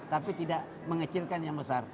tapi tidak mengecilkan yang besar